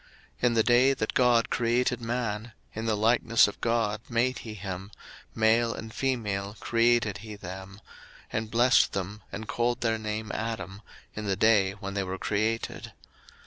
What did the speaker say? In the day that God created man, in the likeness of God made he him; 01:005:002 Male and female created he them; and blessed them, and called their name Adam, in the day when they were created.